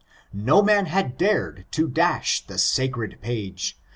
No man had dar'd to daah the aacred page.